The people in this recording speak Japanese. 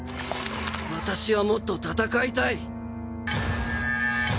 私はもっと戦いたい！